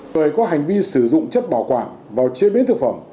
về có hành vi sử dụng chất bảo quản vào chế biến thực phẩm